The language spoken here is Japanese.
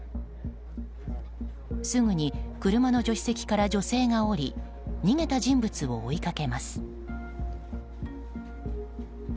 すぐに車の助手席から女性が降り逃げた人物を追いかけます。